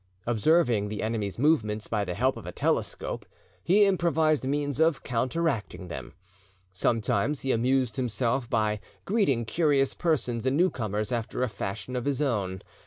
Observing the enemy's movements by the help of a telescope, he improvised means of counteracting them. Sometimes he amused himself by, greeting curious persons and new comers after a fashion of his own.